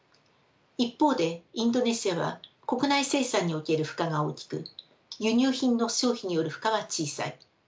一方でインドネシアは国内生産における負荷が大きく輸入品の消費による負荷は小さい。